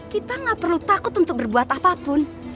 kita gak perlu takut untuk berbuat apapun